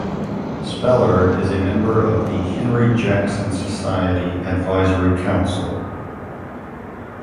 Spellar is a member of the Henry Jackson Society Advisory Council.